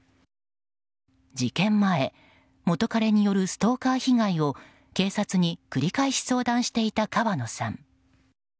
事件前、元彼によるストーカー被害を警察に繰り返し相談していた川野さん。